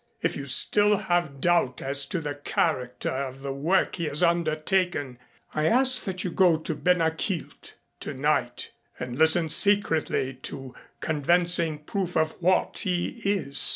If you still have doubt as to the character of the work he has undertaken, I ask that you go to Ben a Chielt tonight and listen secretly to convincing proof of what he is.